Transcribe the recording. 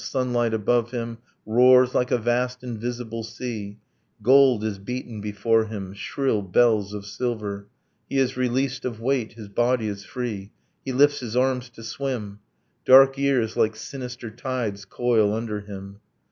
. Sunlight above him Roars like a vast invisible sea, Gold is beaten before him, shrill bells of silver; He is released of weight, his body is free, He lifts his arms to swim, Dark years like sinister tides coil under him